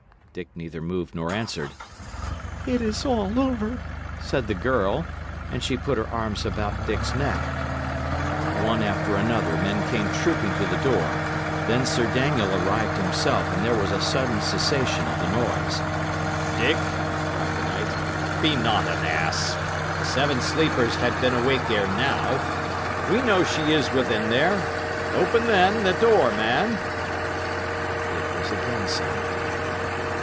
Dick neither moved nor answered. "It is all over," said the girl; and she put her arms about Dick's neck. One after another, men came trooping to the door. Then Sir Daniel arrived himself, and there was a sudden cessation of the noise. "Dick," cried the knight, "be not an ass. The Seven Sleepers had been awake ere now. We know she is within there. Open, then, the door, man." Dick was again silent.